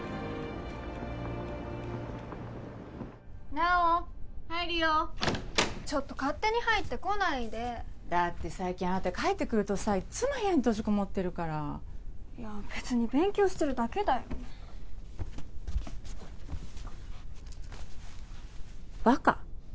菜緒入るよちょっと勝手に入ってこないでだって最近あなた帰ってくるとさいっつも部屋に閉じこもってるからいや別に勉強してるだけだよ「バカ」？